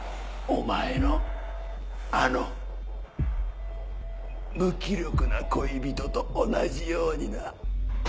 お前のあの無気力な恋人と同じようにな。